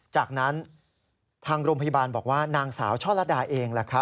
จากนั้นทางโรงพยาบาลบอกว่านางสาวช่อลัดดาเอง